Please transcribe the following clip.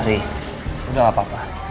ri udah gak apa apa